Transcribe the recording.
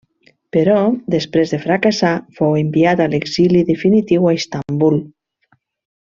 Però, després de fracassar, fou enviat a l'exili definitiu a Istanbul.